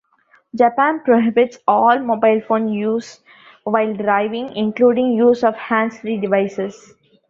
Japan prohibits all mobile phone use while driving, including use of hands-free devices.